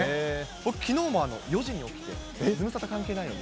僕、きのうも４時に起きて、ズムサタ関係ないのに。